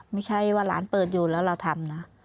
ไม่ใช่ว่าหลานเปิดอยู่แล้วเราทำนะ